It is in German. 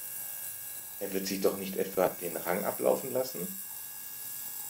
Er wird sich doch nicht etwa den Rang ablaufen lassen?